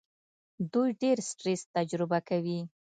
دوی ډېر سټرس تجربه کوي.